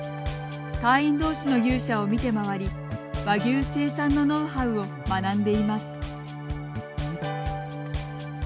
会員どうしの牛舎を見て回り和牛生産のノウハウを学んでいます。